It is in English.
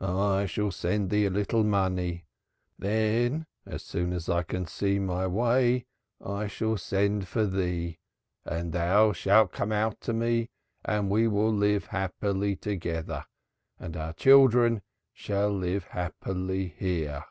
"I shall send thee a little money; then as soon as I can see my way dear I shall send for thee and thou shalt come out to me and we will live happily together and our children shall live happily here."